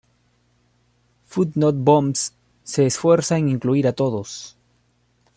Food Not Bombs se esfuerza en incluir a todos.